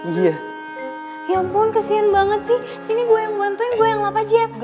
iya ya ampun kesian banget sih sini gue yang bantuin gue yang luap aja